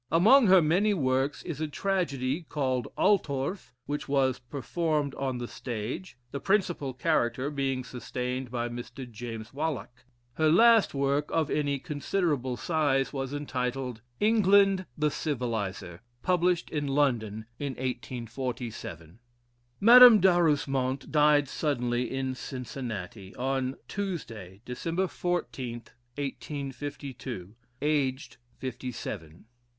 Among her many works is a tragedy called "Altorf," which was performed on the stage, the principal character being sustained by Mr. James Wallack. Her last work, of any considerable size, was entitled "England the Civiliser," published in London in 1847. Madame D'Arusmont died suddenly in Cincinnati, on Tuesday, December 14, 1852, aged fifty seven.